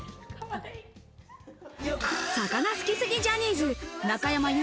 魚好きすぎジャニーズ・中山優